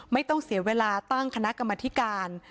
ไม่ต้องเสียเวลาตั้งคณะกรรมธิการ